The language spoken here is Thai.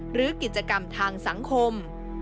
หรือกิจกรรมทางสังคม